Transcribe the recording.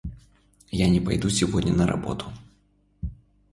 Я не пойду сегодня на работу.